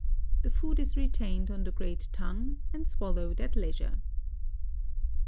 The food is retained on the great tongue and swallowed at leisure.